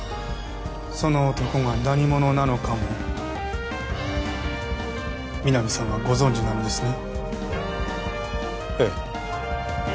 その男が何者なのかも皆実さんはご存じなのですね？